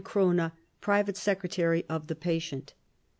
Krone, private secretary of the patient.